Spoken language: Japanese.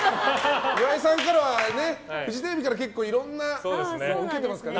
岩井さんはフジテレビからはいろんなことを受けてますからね。